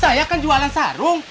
saya kan jualan sarung